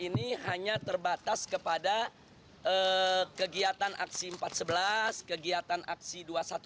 ini hanya terbatas kepada kegiatan aksi empat sebelas kegiatan aksi dua ratus dua belas